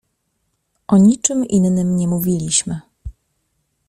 O niczym innym nie mówiliśmy.